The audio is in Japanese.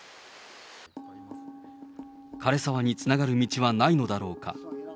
枯れ沢につながる道はないのだろうか。